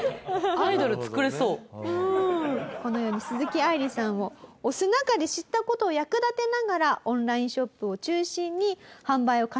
このように鈴木愛理さんを推す中で知った事を役立てながらオンラインショップを中心に販売を重ねていったナツミさん。